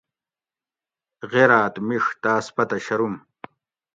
غیراۤت مِیڛ تاۤس پتہ شروم